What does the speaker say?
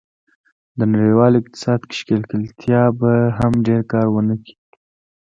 د نړیوال اقتصاد کې ښکېلتیا به هم ډېر کار و نه کړي.